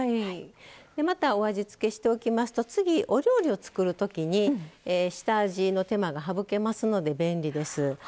また、お味付けしておきますと次お料理を作るときに下味の手間が省けますので便利です。